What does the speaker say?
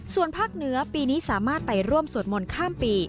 ส่วนภาคเหนือปีนี้สามารถไปร่วมสวดมนต์ข้ามปี